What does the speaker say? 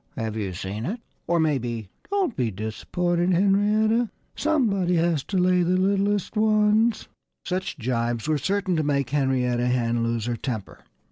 Have you seen it?" Or maybe, "Don't be disappointed, Henrietta! Somebody has to lay the littlest ones!" Such jibes were certain to make Henrietta Hen lose her temper.